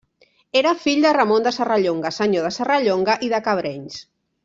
Era fill de Ramon de Serrallonga, senyor de Serrallonga i de Cabrenys.